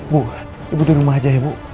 bu ibu duduk aja ya ibu